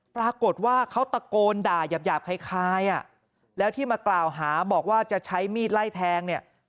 ปรากฏว่าเขาตะโกนด่ายาบคล้ายแล้วที่มากล่าวหาบอกว่าจะใช้มีดไล่แทงเนี่ย